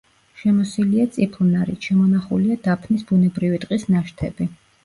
შემოსილია წიფლნარით, შემონახულია დაფნის ბუნებრივი ტყის ნაშთები.